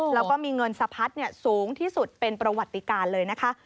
แล้วก็มีเงินสะพัดสูงที่สุดเป็นประวัติการเลยนะคะ